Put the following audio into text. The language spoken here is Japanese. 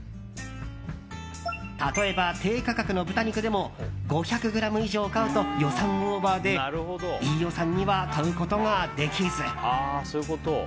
例えば、低価格の豚肉でも５００ｇ以上買うと予算オーバーで飯尾さんには買うことができず。